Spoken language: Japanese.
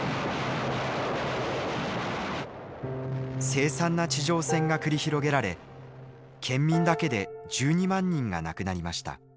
凄惨な地上戦が繰り広げられ県民だけで１２万人が亡くなりました。